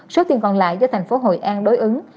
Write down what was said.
số tiền còn lại do thành phố hội an đối ứng